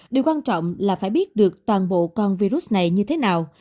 điều quan trọng là phải biết được toàn bộ con virus này như thế nào